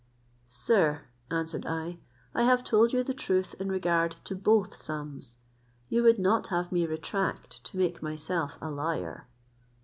"Sir," answered I, "I have told you the truth in regard to both sums: you would not have me retract, to make myself a liar."